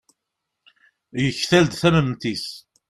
yektal-d tamemt-is